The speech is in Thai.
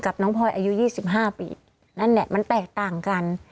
น้องพลอยอายุ๒๕ปีนั่นแหละมันแตกต่างกัน